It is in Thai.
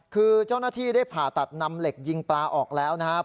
คือเจ้าหน้าที่ได้ผ่าตัดนำเหล็กยิงปลาออกแล้วนะครับ